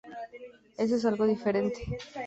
Eso es algo diferente.